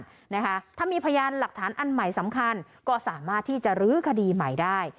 ถ้ามีพยานหลักฐานอันใหม่สำคัญก็สามารถที่จะรื้อคดีใหม่ได้